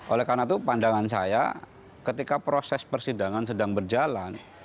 oleh karena itu pandangan saya ketika proses persidangan sedang berjalan